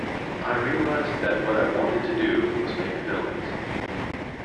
I realized that what I wanted to do was make films.